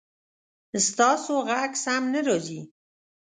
ستاسو غږ سم نه راځي